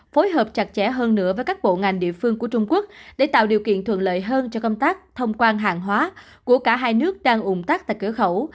phối hợp chặt chẽ hơn nữa với các bộ ngành địa phương của trung quốc để tạo điều kiện thuận lợi hơn cho công tác thông quan hàng hóa của cả hai nước đang ủng tác tại cửa khẩu